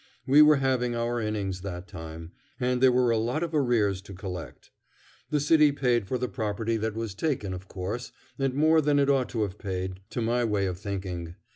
We were having our innings that time, and there were a lot of arrears to collect. The city paid for the property that was taken, of course, and more than it ought to have paid, to my way of thinking.